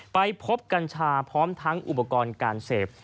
ไปพบกัญชาพร้อมทั้งอุปกรณ์การเสพ